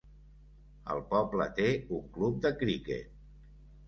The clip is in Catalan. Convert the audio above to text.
El poble té un club de cricket.